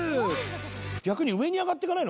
逆に上に上がってかないの？